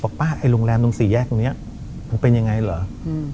ป้าไอ้โรงแรมตรงสี่แยกตรงนี้มันเป็นยังไงเหรอ